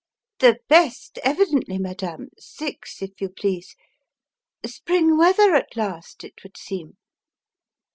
"The best, evidently, madame. Six, if you please. Spring weather at last, it would seem."